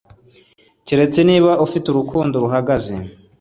keretse niba ufite urukundo ruhagaze